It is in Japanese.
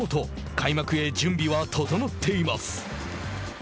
開幕へ準備は整っています。